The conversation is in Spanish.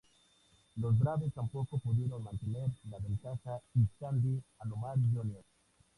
Los Braves tampoco pudieron mantener la ventaja y Sandy Alomar, Jr.